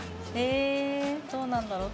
ええどうなんだろう？